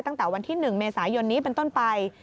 ตั้งแต่วันที่๑เมษายนนี้เป็นต้นไป